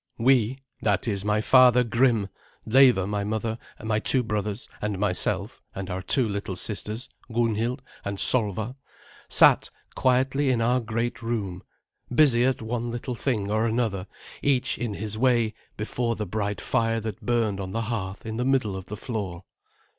We that is my father Grim, Leva my mother, my two brothers and myself, and our two little sisters, Gunhild and Solva sat quietly in our great room, busy at one little thing or another, each in his way, before the bright fire that burned on the hearth in the middle of the floor.